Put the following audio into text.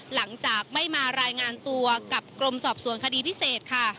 หลังจากไม่มารายงานตัวกับกรมสอบสวนคดีพิเศษค่ะ